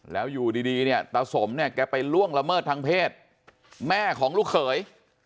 แล้วอยู่ดีเนี่ยตาสมเนี่ยแกไปล่วงละเมิดทางเพศแม่ของลูกเขย